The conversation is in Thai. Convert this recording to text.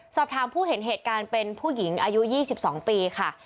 สอบถามผู้เห็นเหตุการณ์เป็นผู้หญิงอายุ๒๒ปีค่ะ